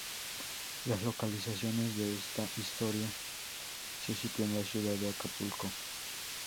Las locaciones de esta historia se sitúan en la ciudad de Acapulco.